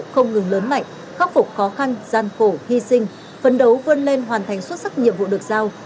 không ngừng lớn mạnh khắc phục khó khăn gian khổ hy sinh phấn đấu vươn lên hoàn thành xuất sắc nhiệm vụ được giao